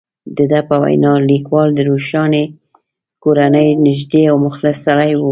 د ده په وینا، لیکوال د روښاني کورنۍ نږدې او مخلص سړی وو.